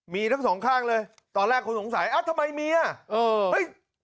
มีทั้งสองข้างเลยตอนแรกคนสงสัยทำไมมีอ่ะ